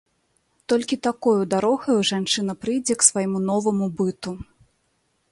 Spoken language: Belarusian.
Толькі такою дарогаю жанчына прыйдзе к свайму новаму быту.